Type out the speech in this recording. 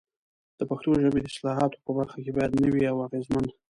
د پښتو ژبې د اصطلاحاتو په برخه کې باید نوي او اغېزمن